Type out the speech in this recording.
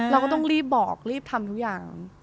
เราก็ต้องรีบบอกรีบทำทุกอย่าง